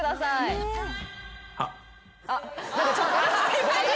あっ。